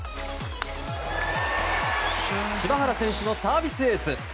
柴原選手のサービスエース。